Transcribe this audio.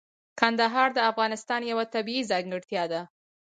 کندهار د افغانستان یوه طبیعي ځانګړتیا ده.